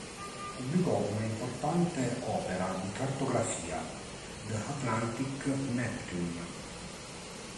Pubblicò una importante opera di cartografiaː "The Atlantic Neptune".